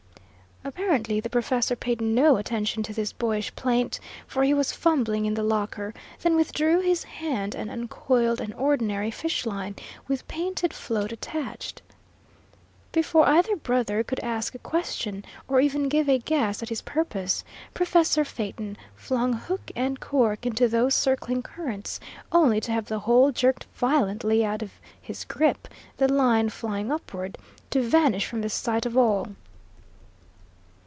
Apparently the professor paid no attention to this boyish plaint, for he was fumbling in the locker, then withdrew his hand and uncoiled an ordinary fish line, with painted float attached. Before either brother could ask a question, or even give a guess at his purpose, Professor Phaeton flung hook and cork into those circling currents, only to have the whole jerked violently out of his grip, the line flying upward, to vanish from the sight of all.